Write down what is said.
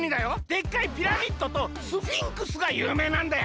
でっかいピラミッドとスフィンクスがゆうめいなんだよ。